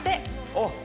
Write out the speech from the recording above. おっ！